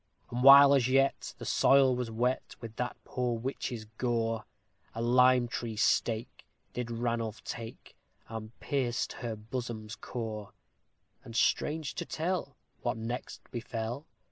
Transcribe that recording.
And while as yet the soil was wet with that poor witch's gore, A lime tree stake did Ranulph take, and pierced her bosom's core; And, strange to tell, what next befell!